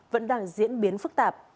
vẫn đang diễn biến phức tạp